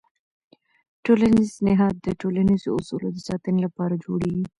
ټولنیز نهاد د ټولنیزو اصولو د ساتنې لپاره جوړېږي.